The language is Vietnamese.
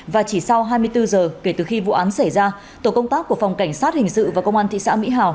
và chỉ sau hai mươi bốn giờ kể từ khi vụ án xảy ra tổ công tác của phòng cảnh sát hình sự và công an thị xã mỹ hào